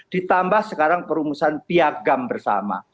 ditambah sekarang perumusan piagam bersama